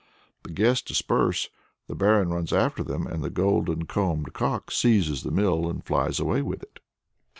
The guests disperse, the Barin runs after them, and the golden combed cock seizes the mill and flies away with it.